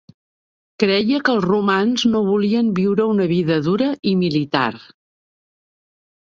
Creia que els romans no volien viure una vida dura i militar.